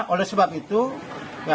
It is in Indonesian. oleh sebab itu ya